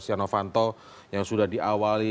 stiano fanto yang sudah diawali